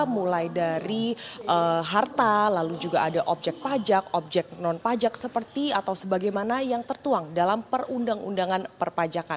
mulai dari harta lalu juga ada objek pajak objek non pajak seperti atau sebagaimana yang tertuang dalam perundang undangan perpajakan